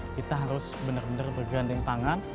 kita harus benar benar bergandeng tangan